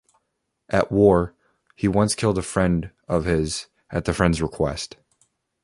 At war, he once killed a friend of his at the friend's request.